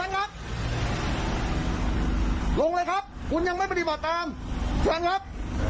ครับลงเลยครับคุณยังไม่ปฏิบัติตามเชิญครับ